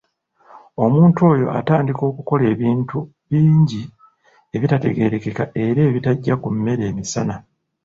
Omuntu oyo atandika okukola ebintu bingi ebitategeerekeka era ebitajja ku mmere emisana!